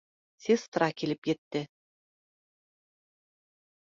Сестра килеп етте